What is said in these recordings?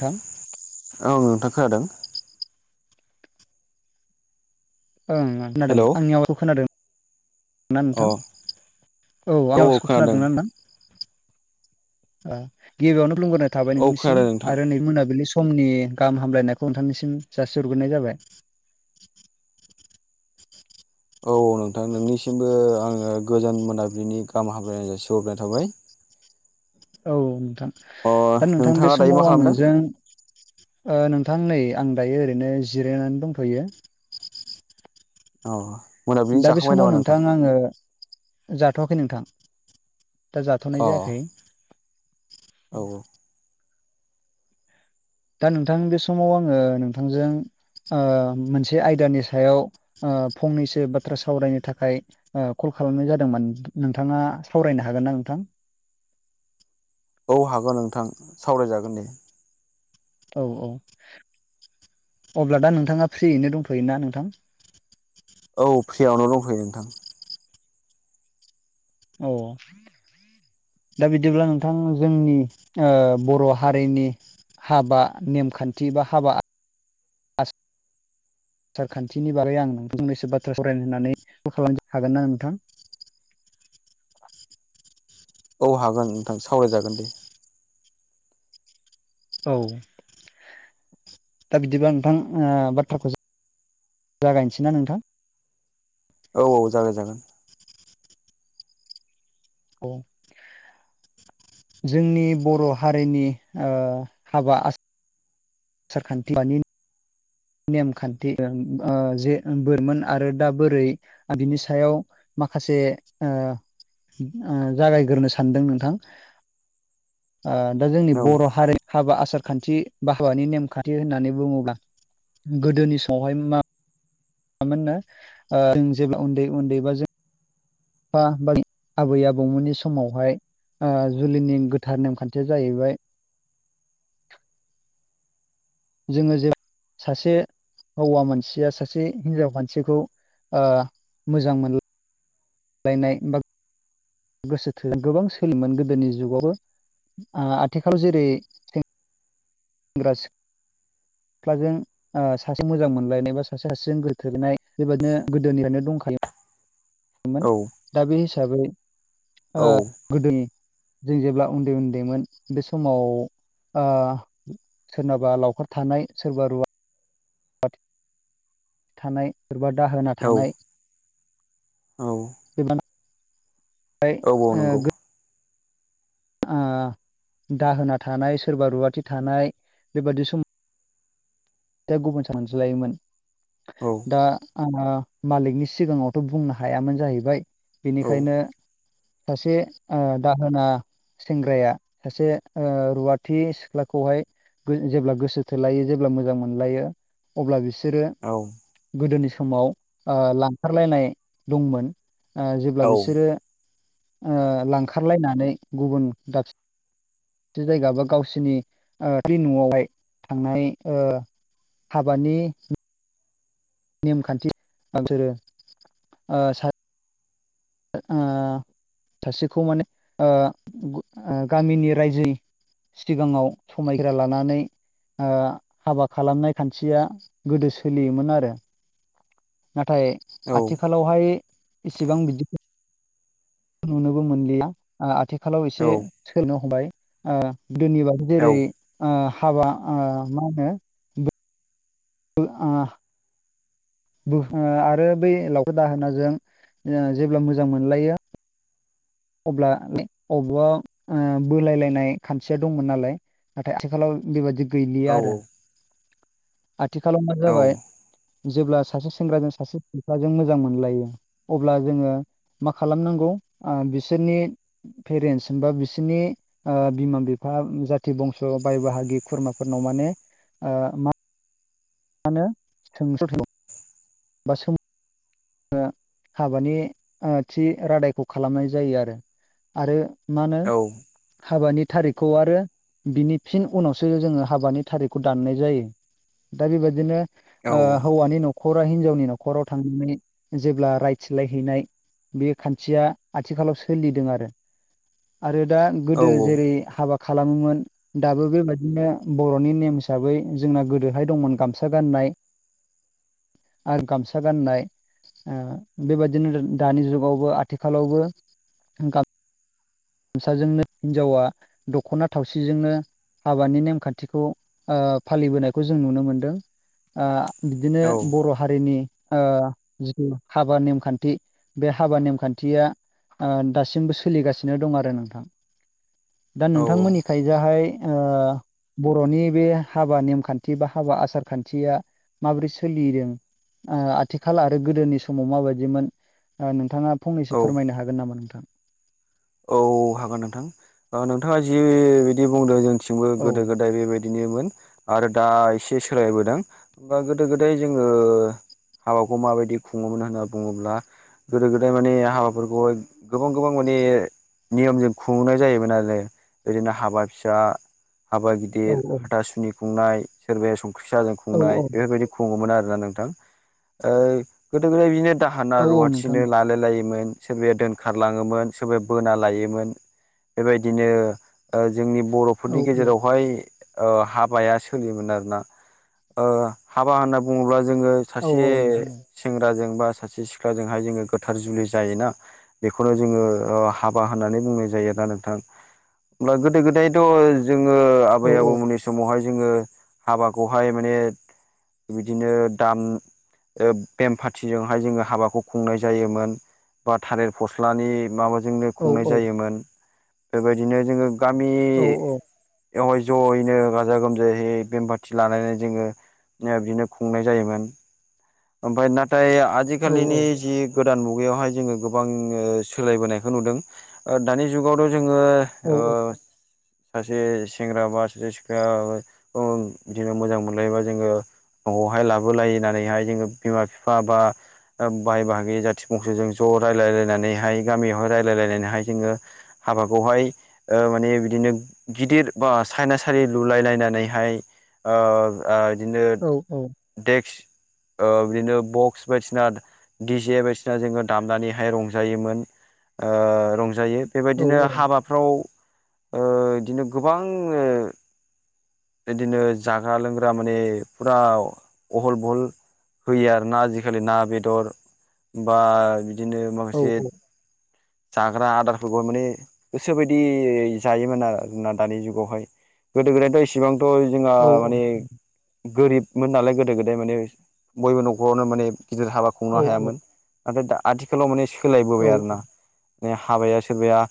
थां औ नोंथां खोनादों ओं हेलौ खोनादोंमोन अ आंयाव खोनादोंमोन ना औ नोंथां औ आं आबासखौ खोनादोंना नोंथां। गिबियावनो खुलुमग्रोनाय थाबाय औ नोंनिसिम खोनादों नोंथां आरो नै मोनाबिलि समनि गाहाम हामलायनायखौ नोंथांनिसिम जासिहरग्रोनाय जाबाय। औ नोंथां नोंनिसिमबो आङो गोजोन मोनाबिलिनि गाहाम हामलायनाय जासि हरनाय थाबाय औ नोंथां अ दा नोंथां बे नोंथाङा दायो मा समाव आं खालामदों नोंजों नोंथां नै आं दायो ओरैनो जिरायनानै दंथ'यो। औ। दा बे समाव नोंथां आङो। जाथ'वाखै नोंथां दा अ जाथ'नाय जायाखै। औ औ। दा नोंथां बे समाव आङो नोंथांजों मोनसे आयदानि सायाव फंनैसो बाथ्रा सावरायनो थाखाय। कल खालामनाय जादोंमोन नोंथाङा सावरायनो हागोन ना नोंथां औ हागोन नोंथां सावरायजागोन दे। औ-औ अब्ला दा नोंथाङा फ्रियैनो दंथ'योना नोंथां। औ फ्रियावनो दंथयो नोंथां। औ। दा बिदिब्ला नोंथां जोंनि बर' हारिनि हाबा नेमखान्थि बा हाबा आसारखान्थिनि बागै आं फंनैसो बाथ्रा सावरायनो होननानै कल खालामनो हागोन ना नोंथां औ हागोन नोंथां सावरायजागोन दे। औ दा बिदिबा नोंथां बाथ्राखौ जागायनोसैना नोंथां औ औ जागोन जागोन औ जोंनि बर' हारिनि ओ हाबा [unintelligible] नेमखान्थि जे बोरमोन आरो दा बोरै बिनि सायाव माखासे जागायग्रो सानदों नोंथां ओ दा जोंनि औ बर' हारि हाबा आसार खान्थि बा हाबानि नेमखान्थि होननानै बुङोब्ला गोदोनि समावहाय मा मोननो आ जों जेब्ला उन्दै उन्दै बा जों बा बै आबै आबौमोननि समावहाय जुलिनि गोथार नेमखान्थिया जाहैबाय जोङो जे सासे हौवा मानसिया सासे हिनजाव मानसिखौ मोजां मोन लायनाय बा गोसो थो गोबां सोलोोमोन गोदोनि जुगावबो आथिखालाव जेरै सेंग्रा सिख्लाजों सासे मोजां मोनलायनाय बा सासे सासेजों गोसोथोलायनाय बेबायदिनो गोदोनिफ्रायनो दंखायोमोन औ दा बे हिसाबै औ गोदो जों जेब्ला उनदै उनदैमोन बे समाव सोरनावबा लावखार थानाय सोरबा रुवा थानाय एबा दाहोना औ थानाय औ [unintelligible] औ औ नंगौ ओ दाहोना थानाय सोरबा रुवाथि थानाय बेबादि समाव दा गुबुन सानज्लायोमोन औ दा आङो मालिकनि सिगाङावथ बुंनो हायामोन जाहैबाय औ बिनिखायनो सासे ओ दाहोना सेंग्राया सासे ओ रुवाथि सिख्लाखौहाय जेब्ला गोसो थोलायो जेब्ला मोजां मोनलायो अब्ला बिसोरो औ गोदोनि समाव ओ लांखारलायनाय दंमोन ओ औ जेब्ला बिसोरो ओ लांखारलायनानै गुबुन दाबसे जि जायगा बा गावसिनि ओ न'आवहाय थांनाय ओ हाबानि नेमखान्थि बिसोरो ओ ओ सासेखौ माने गामिनि रायजो सिगाङाव समायग्रा लानानै ओ हाबा खालामनाय खान्थिया गोदो सोलियोमोन आरो नाथाय आथिखालावहाय इसेबां बिदिखौ नुनोबो मोनलिया आथिखालाव एसे सोलायनो हमबाय गोदोनिबादि जेरै ओ हाबा ओ मा होनो [unintelligible] बो आरो बै लावखार दाहोनाजों जेब्ला मोजां मोनलायो अब्ला बे अबावबा बोलायलायनाय खान्थिया दंमोन नालाय आथिखालाव बेबायाददि औ गैलिया आरो आथिखालाव मा औ जाबाय जेब्ला सासे सेंग्राजों सासे सिख्लाजों मोजां मोनलायो अब्ला जोङो मा खालामनांगौ बिसोरनि पेरेन्टस होनबा बिसोरनि बिमा बिफा जाथि बंस' बाय बाहागि खुरमाफोरनाव माने मा ानो [unintelligible] सोंस' बा सोम हाबानि थि रादायखौ खालामनाय जायो आरो। आरो मा होनो औ हाबानि थारिखखौ आरो। बिनि फिन उनावसो जोङो हाबानि थारिखखौ दाननाय जायो दा बेबायदिनो हौवानि न'खरा हिनजावनि न'खराव थांनानै जेब्ला रायथिलायहैनाय बे खान्थिया आथिखालाव सोलिदों आरो आरो दा गोदो जेरै हाबा खालामोमोन। दाबो बेबायदिनो बर'नि नेम हिसाबै जोंना गोदोहाय दंमोन गामसा गाननाय आरो गामसा गाननाय बेबायदिनो दानि जुगावबो आथिखालावबो गामसाजोंनो हिनजावा दख'ना थावसिजोंनो हाबानि नेमखान्थिखौ फालिबोनायखौ जों नुनो मोनदों। बिदिनो बर' हारिनि जिथु हाबा नेमखान्थि बे हाबा नेमखान्थिया दासिमबो सोलिगासिनो दं आरो नोंथां दा औ नोंथांमोननि थाइजाहाय बर'नि बे हाबा नेमखान्थि बा हाबा आसार खान्थिया माबोरै सोलिदों आथिखाल आरो गोदोनि समाव माबायदिमोन। नोंथाङा औ फंनैसो फोरमायनो हागोन नामा नोंथां। औ हागोन नोंथां नोंथाङा जिबायदि बुंदों जोंथिंबो औ गोदो गोदाय बेबायदि बिदिनोमोन आरो दा एसे सोलायबोदों हबा गोदो गोदाय जोङो हाबाखौ माबायदि खुङोमोन होनना बुङोब्ला गोदो गोदाय माने हाबाफोरखौहाय गोबां गोबां माने नियमजों खुंनाय जायोमोन आरो ओदिनो हाबा फिसा हाबा गिदिर औ गिदिर हाथा सुनि खुंनाय सोरबाया संख्रि साहाजों औ खुंनाय औ बेफोरबायदि खुगौमोन आरोना नोंथां गोदो गोदाय बिदिनो दाहोना औ औ नोंथां रुवाथिनो लालाय लायोमोन सोरबाया दोनखारलाङोमोन सोरबाया बोना लायोमोन बेबायदिनो जोंनि औ बर'फोरनि औ गेजेरावहाय हाबाया सोलियोमोन आरोना हाबा होनना बुङोब्ला जोङो। औ सासे औ नोंथां सेंग्राजों बा सासे सिख्लाजोंहाय जोङो गोथार जुलि जायोना बेखौनो जोङो हाबा होननानै बुंनाय जायो दा नोंथां हब्ला गोदो गोदायथ' जोङो औ आबै औ आबौमोननि समावहाय जोङो हाबाखौहाय माने बिदिनो दाम बेम फारथिजोंहाय जोङो हाबाखौ खुंनाय जायोमोन। बा थालेर फस्लानि माबाजोंनो औ खुंनाय जायोमोन बेबायदिनो जोङो गामि औ औ बेवहाय जयैनो गाजा गोमजायै बेम बाथि लानानै जोङो बिदिनो खुंनाय जायोमोन ओमफ्राय नाथाय आ औ आजिखालिनि जि गोदान मुगायावहाय जोङो गोबां सोलायबोनायखौ नुदों। दानि जुगावथ' जोङो औ सासे सेंग्रा बा सासे सिखाया बिदिनो मोजां मोनलायोबा जोङो न'आवहाय लाबोलाय होननानैहाय जोङो बिमा बिफा बा बाहाय बाहागि जाथि बंस'जों ज' रायजलायलायनानैहाय गामियावहाय रायजलायलायनानैहाय जोङो हाबाखौहाय माने बिदिनो गिदिर बा सायना सारि लुलायलायनानैहाय बिदिनो औ औ देक्स बिदिनो बक्स बायदिसिना डि जे बायदिसिना जोङो दामनानैहाय रंजायोमोन। रंजायो औ बेबायदिनो हाबा फाव बिदिनो गोबां बिदिनो जाग्रा लोंग्रा माने फुरा अहल बहल होयो आरोना आजिखालि ना बेदर बा बिदिनो औ माखासे जाग्रा आदारफोरखौाय माने गोसोबायदि जायोमोन आरो जोंना दानि जुगावहाय गोदो गोदायथ' इसेबांथ' जोंहा औ माने गोरिबमोन नालाय गोदो गोदाय माने बयबो न'खरावनो माने गिदिर हाबा खुंनो हायामोन नाथाय दा आथिखालाव माने सोलायबोबाय आरो ना मा हाबाया सोरबाया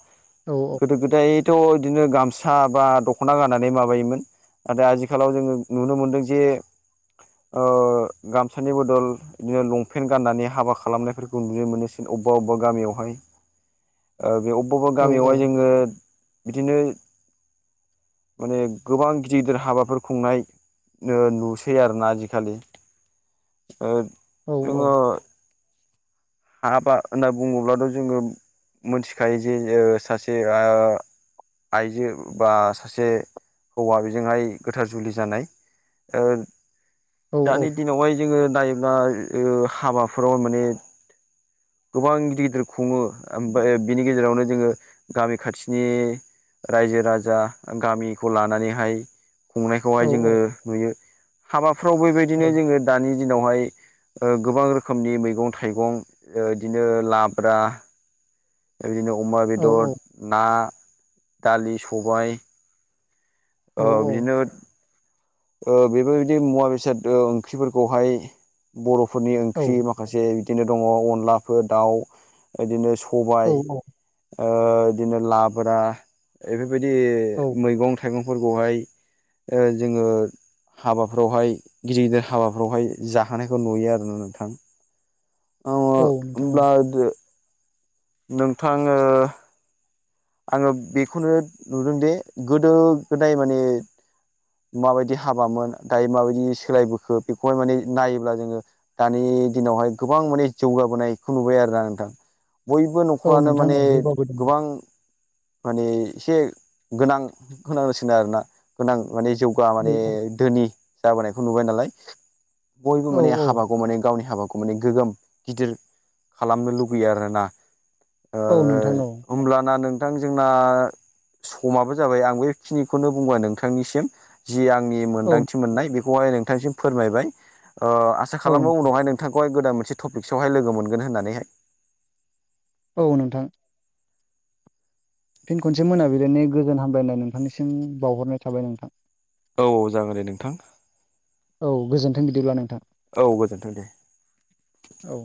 औ औ। गोदो गोदायथ' बिदिनो गामसा बा दख'ना गाननानै माबायोमोन। नाथाय आथिखालाव जोङो नुनो मोनदों जे गामसानि बदल बिदिनो लंपेन्ट गाननानै हाबा खालामनायफोरखौ नुनो मोनोसिै अबेबा अबेबा गामियावहाय। बे अबेबाबा औ गामियावहाय जोङो बिदिनो माने गोबां गिदिर गिदिर हाबाफोर खुंनाय नुसै आरोना आजिखालि। औ औ। हााबा होनना बुङोब्लाथ' जोङो मिथिखायो जे सासे आइजो बा सासे हौवा बेजोंहाय गोथार जुलि जानाय दानि औ औ दिनावहाय जोङोयोला हाबाफोराव माने गोबां गिदिर गिदिर खुङो ओम बिनि गेजेरावनो जोङो गामि खाथिनि। रायजो राजा गामिखौ लानानैहाय खुंनायखौहाय जोङो नुयो हाबाफ्राव बेबायदिनो जोङो दानि दिनावहाय गोबां रोखोमनि मैगं थाइगं बिदिनो लाब्रा बिदिनो अमा बेदर ना दालि सबाय औ बिदिनो बेफोरबायदि मुवा बेसाद ओंख्रिफोरखौहाय बर'फोरनि ओंख्रि माखासे। माखासे बिदिनो दङ अनलाफोर दाउ बिदिनो सबाय बिदिनो लाबा बेफोरबायदि मैगं थाइगंफोरखौहाय जोङो हाबाफ्रावहाय गिदिर गिदिर हाबाफ्रावहाय जाहोनायखौ नुयो आरो ना नोंथां। [unintelligible] नोंथां होमब्ला नोंथाङो। आङो बेखौनो नुदोंदि गोदो गोदाय माने माबायदि हाबामोन दायो माबायदि सोलायबोखो बेखौहाय माने नायोब्ला जोङो। दानि दिनावहाय गोबां माने जौगाबोनायखौ नुबाय आरोना नोंथां। बयबो औ न'खरानो नोंथां माने औ जौगाबोदों गोबां माने एसे गोनां होनांगसिनो आरोोना गोनां माने जौ औ माने धोनि जाबोनायखौ नुबाय नालाय बयबो औ माने हाबाखौ माने गावनि हाबाखौ। माने गोग्गोम गिदिर खालामनो लुुबैयो आरोना औ नोंथां औ हमना नों नोंथां जोंना समाबो जाबाय आं बेखिनिखौनो बुंबाय नोंथांनिसिम जि आंनि मोन्दांथि मोननाय बेखौहाय नोंथांसिम फोरमायबाय आसा औ खालामो उनावहाय नों बिथांखौहाय गोदान मोनसे टपिकसआवहाय लोगो मोनगोन होननानैहाय औ नोंथां। फिन खनसे मोनाबिलिायनि गोजोन हामलायनाय नोंथांनिसिम बावहरनाय थाबाय नोंथां। औ जागोन दे नोंथां। औ गोजोन्थों बिदिब्ला नोंथां औ गोजोन्थों दे। औ।